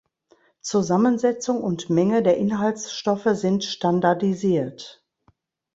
Zusammensetzung und Menge der Inhaltsstoffe sind standardisiert.